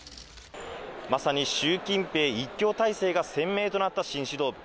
まさに習近平一強体制が鮮明となった新指導部。